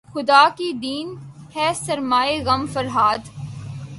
خدا کی دین ہے سرمایۂ غم فرہاد